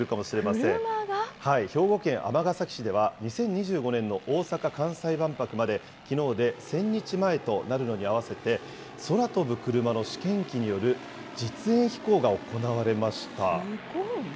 兵庫県尼崎市では、２０２５年の大阪・関西万博まできのうで１０００日前となるのに合わせて、空飛ぶクルマの試験機による実演飛行が行われました。